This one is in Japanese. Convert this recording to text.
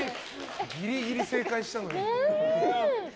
ギリギリ正解したのに。